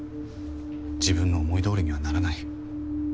自分の思い通りにはならない。